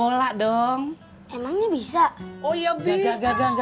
udah main aja